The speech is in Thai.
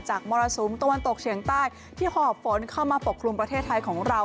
มรสุมตะวันตกเฉียงใต้ที่หอบฝนเข้ามาปกครุมประเทศไทยของเรา